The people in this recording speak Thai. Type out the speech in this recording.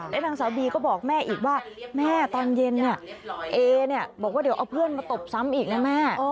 นางสาวบีก็บอกแม่อีกว่าแม่ตอนเย็นเอเนี่ยบอกว่าเดี๋ยวเอาเพื่อนมาตบซ้ำอีกนะแม่